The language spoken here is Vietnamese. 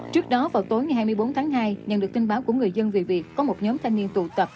trước đó vào tối ngày hai mươi bốn tháng hai nhận được tin báo của người dân về việc có một nhóm thanh niên tụ tập